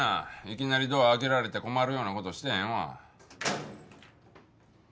いきなりドア開けられて困るような事してへんわ。